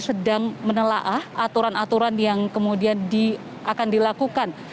sedang menelaah aturan aturan yang kemudian akan dilakukan